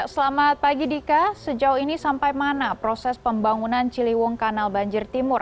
selamat pagi dika sejauh ini sampai mana proses pembangunan ciliwung kanal banjir timur